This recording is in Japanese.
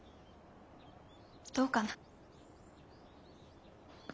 どうかな。